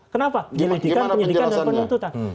kenapa penyelidikan dan penuntutan gimana penjelasannya